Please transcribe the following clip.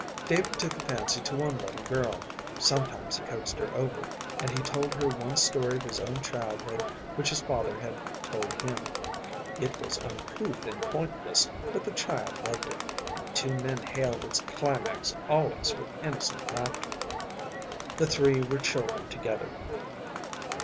David took a fancy to one little girl. Sometimes he coaxed her over, and he told her one story of his own childhood which his father had told him. It was uncouth and pointless, but the child loved it, and the two men hailed its climax always with innocent laughter. The three were children together.